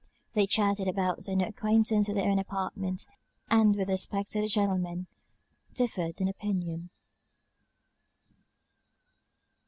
They chatted about their new acquaintance in their own apartment, and, with respect to the gentlemen, differed in opinion.